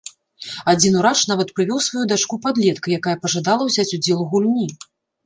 Адзін урач нават прывёў сваю дачку-падлетка, якая пажадала ўзяць удзел у гульні.